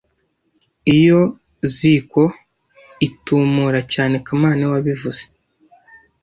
Iyo ziko itumura cyane kamana niwe wabivuze